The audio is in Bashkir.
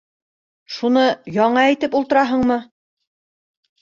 Шуны яңы әйтеп ултыраһыңмы?